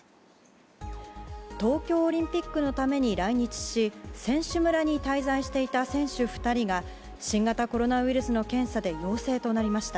東京オリンピックのために来日し選手村に滞在していた選手２人が新型コロナウイルスの検査で陽性となりました。